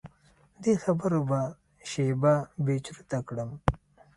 دې خبرو به شیبه بې چرته کړم.